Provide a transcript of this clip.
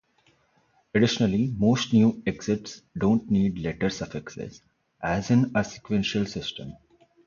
Additionally, most new exits don't need letter suffixes, as in a sequential system.